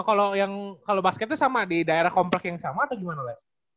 kalau yang kalau basketnya sama di daerah komplek yang sama atau gimana le